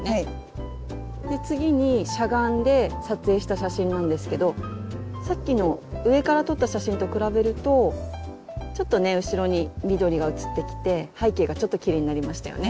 次にしゃがんで撮影した写真なんですけどさっきの上から撮った写真と比べるとちょっとね後ろに緑が写ってきて背景がちょっときれいになりましたよね。